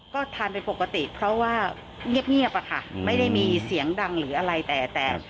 ก็ทานเป็นปกติเพราะว่าเงียบอะค่ะไม่ได้มีเสียงดังหรืออะไรแต่แต่